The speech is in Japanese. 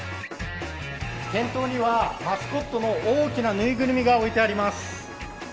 店頭には、マスコットの大きな縫いぐるみが置いてあります。